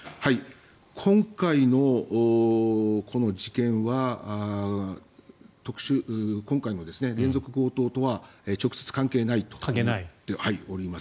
今回の事件は今回の連続強盗とは直接関係ないと思います。